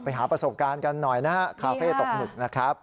ไปหาประสงค์การกันหน่อยนะคาเฟ่ตกหมึกนะครับ